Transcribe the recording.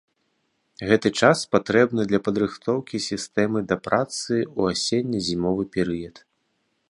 Гэты час патрэбны для падрыхтоўкі сістэмы да працы ў асенне-зімовы перыяд.